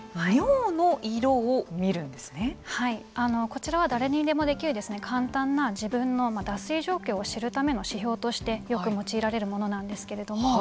こちらは誰にでもできる簡単な自分の脱水状況を知るための指標としてよく用いられるものなんですけれども。